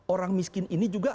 orang miskin ini juga